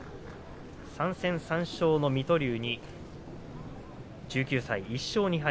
３戦３勝の水戸龍に１９歳１勝２敗